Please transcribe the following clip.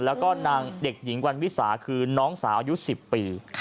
แล้วก็นางเด็กหญิงวันวิสาคือน้องสาวอายุ๑๐ปี